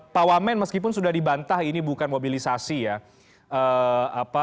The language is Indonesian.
pak wamen meskipun sudah dibantah ini bukan mobilisasi ya